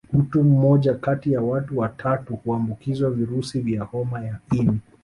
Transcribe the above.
Mtu mmoja kati ya watu watatu huambukizwa virusi vya homa ya ini